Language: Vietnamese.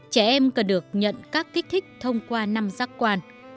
trẻ em cần được nhận các kích thích thông qua năm giác quan